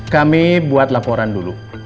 kami buat laporan dulu